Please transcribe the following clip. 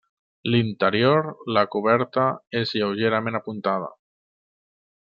L'interior la coberta és lleugerament apuntada.